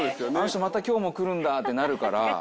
あの人また今日も来るんだってなるから。